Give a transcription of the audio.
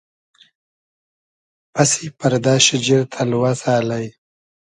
پئسی پئردۂ شیجیر تئلوئسۂ الݷ